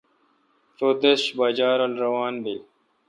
رو دش باجہ رل روان بین۔